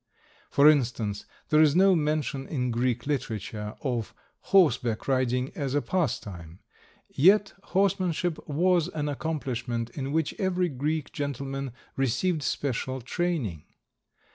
For instance, there is no mention in Greek literature of horseback riding as a pastime, yet horsemanship was an accomplishment in which every Greek gentleman received special training.